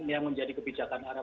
yang menjadi kebijakan arab